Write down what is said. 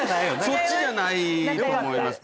そっちじゃないと思います。